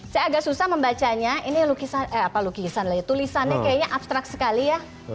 saya agak susah membacanya ini lukisan lah ya tulisannya kayaknya abstrak sekali ya